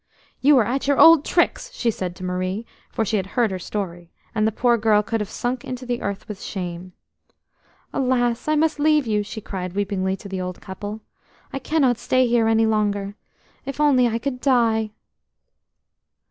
"You are at your old tricks!" she said to Marie, for she had heard her story; and the poor girl could have sunk into the earth with shame. "Alas! I must leave you!" she cried weepingly to the old couple. "I cannot stay here any longer. If only I could die!"